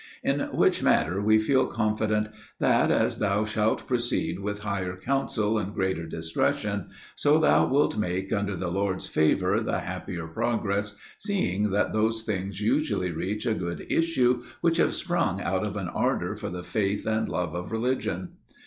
In which matter, we feel confident that, as thou shalt proceed with higher counsel, and greater discretion, so thou wilt make, under the Lord's favour, the happier progress, seeing that those things usually reach a good issue, which have sprung out of an ardour for the faith and love of religion.